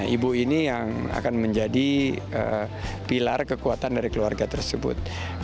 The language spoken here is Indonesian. ibu ini yang akan menjadi pilar kekuatan dari keluarga tersebut